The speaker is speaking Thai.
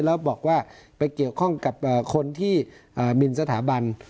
แล้วบอกว่าไปเกี่ยวข้องกับคนที่หมินสถาบัน